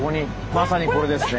まさにこれですね。